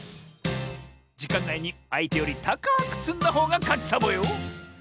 じかんないにあいてよりたかくつんだほうがかちサボよ！